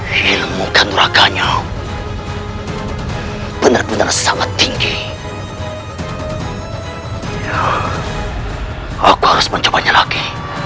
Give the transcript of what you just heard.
hai ilmu kandungan khaniau benar benar sangat tinggi aku harus mencobanya lagi